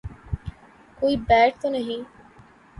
کوئی بیر تو نہیں